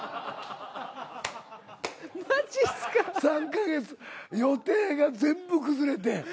３か月予定が全部崩れて。